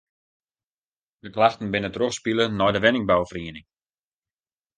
De klachten binne trochspile nei de wenningbouferieniging.